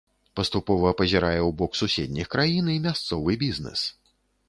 Паступова пазірае ў бок суседніх краін і мясцовы бізнэс.